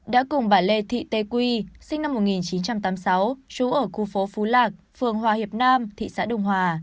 đã cùng bà lê thị tê quy sinh năm một nghìn chín trăm tám mươi sáu trú ở khu phố phú lạc phường hòa hiệp nam thị xã đông hòa